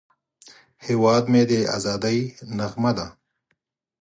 هیواد مې د ازادۍ نغمه ده